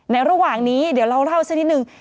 ระหว่างนี้เดี๋ยวเราเล่าสักนิดนึง